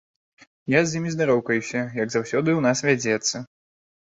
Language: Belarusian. Я з імі здароўкаюся, як заўсёды ў нас вядзецца.